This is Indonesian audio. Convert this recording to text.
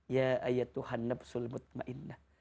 ya ayat tuhan nafsu libut ma'inna